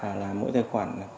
à là mỗi tài khoản